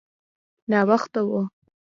ناوخته و.